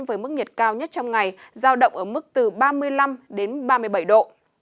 với mức nhiệt cao nhất trong ngày giao động ở mức từ ba mươi năm đến ba mươi bảy độ